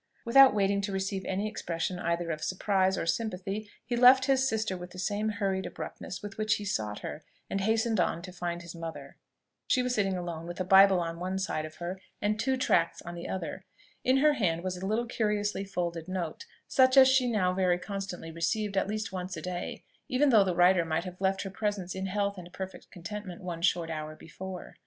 Without waiting to receive any expression either of surprise or sympathy, he left his sister with the same hurried abruptness with which he sought her, and hastened on to find his mother. She was sitting alone, with a bible on one side of her, and two tracts on the other. In her hand was a little curiously folded note, such as she now very constantly received at least once a day, even though the writer might have left her presence in health and perfect contentment one short hour before.